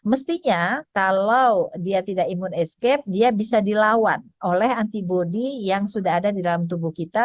escape dia bisa dilawan oleh antibody yang sudah ada di dalam tubuh kita